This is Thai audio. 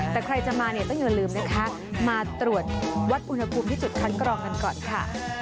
แต่ใครจะมาเนี่ยต้องอย่าลืมนะคะมาตรวจวัดอุณหภูมิที่จุดคัดกรองกันก่อนค่ะ